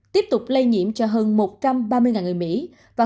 tiếp tục lây nhiễm cho hơn một trăm ba mươi người mỹ và hơn một trăm linh người việt nam